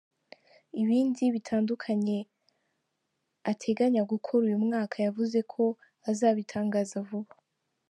Ibindi bitandukanye ateganya gukora uyu mwaka, yavuze ko azabitangaza vuba.